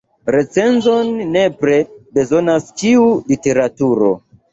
Recenzon nepre bezonas ĉiu literaturo.